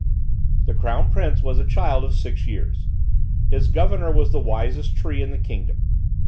The crown prince was a child of six years; his governor was the wisest tree in the kingdom.